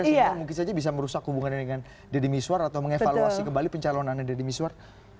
sehingga mungkin saja bisa merusak hubungannya dengan deddy miswar atau mengevaluasi kembali pencalonannya deddy miswar